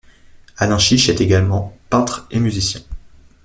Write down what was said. Alain Chiche est également peintre et musicien.